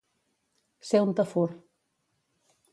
Ser un tafur.